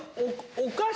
お菓子